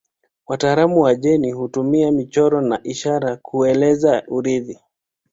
Wataalamu wa jeni hutumia michoro na ishara kueleza urithi.